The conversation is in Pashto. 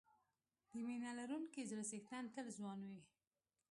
د مینه لرونکي زړه څښتن تل ځوان وي.